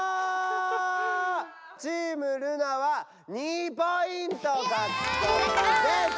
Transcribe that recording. チームルナは２ポイント獲得です！